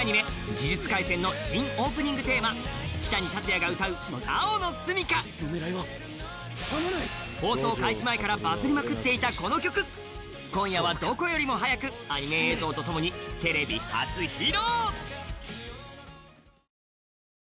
「呪術廻戦」の新オープニングテーマキタニタツヤが歌う「青のすみか」放送開始前からバズりまくっていたこの曲今夜はどこよりも早くアニメ映像とともにテレビ初披露！